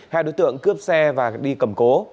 hai đối tượng cướp xe và đi cầm cố